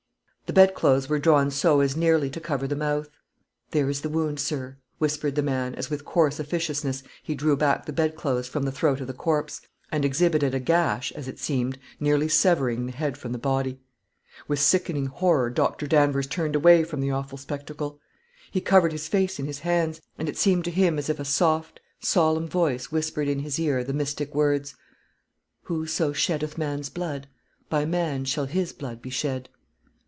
The bedclothes were drawn so as nearly to cover the mouth. "There is the wound, sir," whispered the man, as with coarse officiousness he drew back the bedclothes from the throat of the corpse, and exhibited a gash, as it seemed, nearly severing the head from the body. With sickening horror Doctor Danvers turned away from the awful spectacle. He covered his face in his hands, and it seemed to him as if a soft, solemn voice whispered in his ear the mystic words, "Whoso sheddeth man's blood, by man shall his blood be shed."